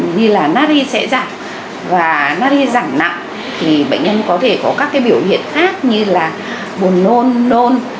nhi là nari sẽ giảm và nari giảm nặng thì bệnh nhân có thể có các biểu hiện khác như là buồn nôn nôn